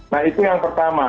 nah itu yang pertama